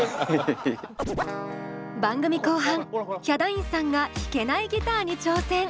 番組後半ヒャダインさんが弾けないギターに挑戦。